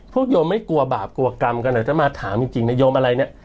โยมไม่กลัวบาปกลัวกรรมกันอาจจะมาถามจริงนะโยมอะไรเนี่ย